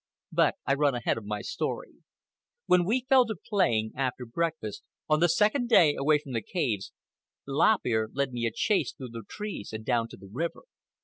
But I run ahead of my story. When we fell to playing, after breakfast, on the second day away from the caves, Lop Ear led me a chase through the trees and down to the river.